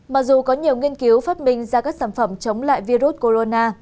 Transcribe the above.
mặc dù có nhiều nghiên cứu phát minh ra các sản phẩm chống lại virus corona